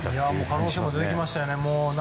可能性が出てきましたね。